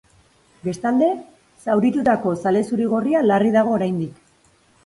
Bestalde, zauritutako zale zuri-gorria larri dago oraindik.